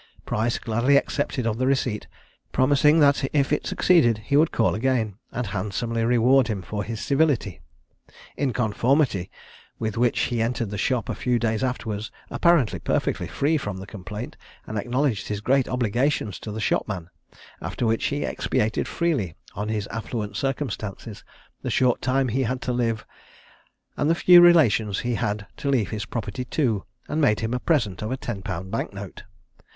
Price gladly accepted of the receipt, promising that if it succeeded, he would call again, and handsomely reward him for his civility: in conformity with which he entered the shop a few days afterwards, apparently perfectly free from the complaint, and acknowledged his great obligations to the shopman; after which he expatiated freely on his affluent circumstances, the short time he had to live, and the few relations he had to leave his property to, and made him a present of a ten pound bank note.